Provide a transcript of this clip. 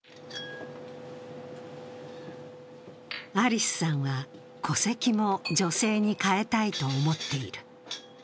ありすさんは戸籍も女性に変えたいと思っている。